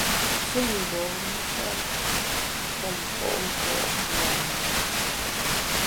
Nshin mgbom-sha fa nkpo’ nkpo’ lam mgbom.